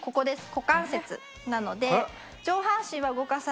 股関節なので。